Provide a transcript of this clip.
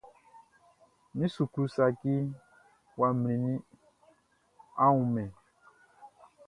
Mi suklu saci ya mlinnin, a wunman?